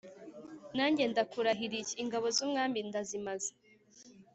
nanjye ndakurahiye ingabo zumwami ndazimaze"